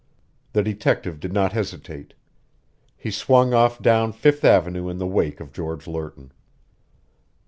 The detective did not hesitate. He swung off down Fifth Avenue in the wake of George Lerton.